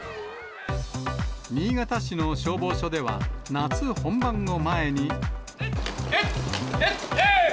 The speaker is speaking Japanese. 新潟市の消防署では、夏本番を前に。